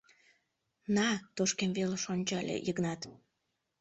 На!.. — тошкем велыш ончале Йыгнат.